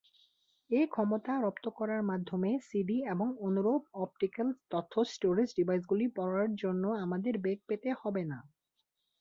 এ ক্ষমতা রপ্ত করার মাধ্যমে সিডি এবং অনুরূপ অপটিক্যাল তথ্য-স্টোরেজ ডিভাইসগুলি পড়ার জন্য আমাদের বেগ পেতে হবে না।